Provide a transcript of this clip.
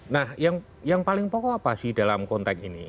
nah yang paling pokok apa sih dalam konteks ini